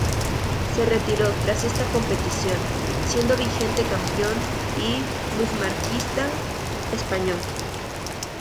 Se retiró tras esta competición, siendo vigente campeón y plusmarquista español.